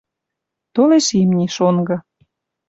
Толеш имни, шонгы.